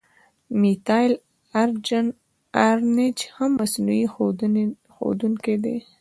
میتایل آرنج هم مصنوعي ښودونکی دی.